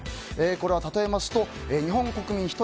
これは例えますと日本国民１人